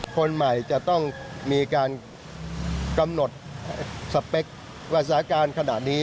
คนใหม่จะต้องมีการกำหนดสเปคว่าสาการขนาดนี้